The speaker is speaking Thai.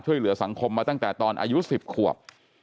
ช่วยเหลือสังคมมาตั้งแต่ตอนอายุ๑๐ขวบ